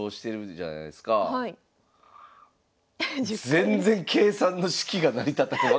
全然計算の式が成り立たん。